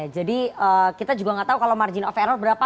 jadi kita juga nggak tahu kalau margin of error berapa